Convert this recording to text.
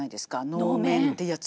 能面っていうやつ。